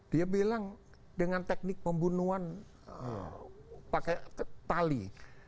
dia bilang dengan teknik pembunuhan pakai tali